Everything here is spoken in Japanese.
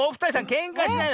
けんかしないで。